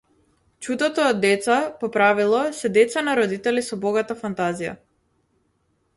Чудото од деца, по правило, се деца на родители со богата фантазија.